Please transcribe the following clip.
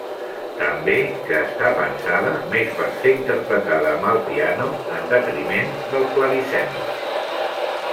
També que està pensada més per ser interpretada amb el piano, en detriment del clavicèmbal.